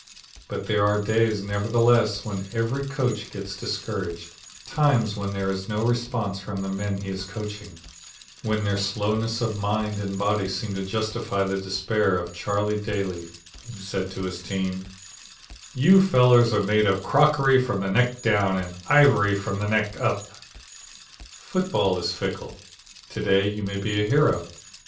But there are days nevertheless when every coach gets discouraged; times when there is no response from the men he is coaching when their slowness of mind and body seem to justify the despair of Charlie Daly who said to his team: "You fellows are made of crockery from the neck down and ivory from the neck up." Football is fickle. To day you may be a hero.